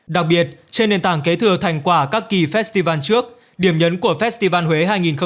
đặc biệt trên nền tảng kế thừa thành quả các kỳ festival trước điểm nhấn của festival huế hai nghìn một mươi chín